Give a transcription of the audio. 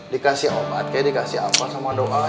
dikasih obat kayaknya dikasih apa sama doa